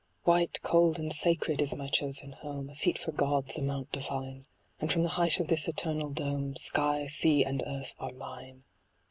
White, cold, and sacred is my chosen home, A seat for gods, a mount divine ; And from the height of this eternal dome, Sky, sea, and earth are mine.